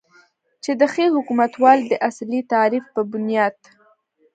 چې د ښې حکومتولې داصلي تعریف په بنیاد